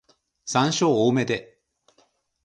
山椒多めで